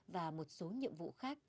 và một số nhiệm vụ khác